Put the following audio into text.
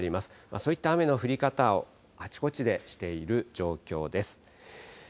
そういった雨の降り方をあちこちでしている状態です。